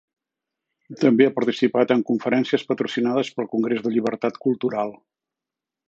També ha participat en conferències patrocinades pel Congrés de llibertat cultural.